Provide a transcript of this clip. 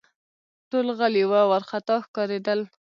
ټول غلي وه ، وارخطا ښکارېدل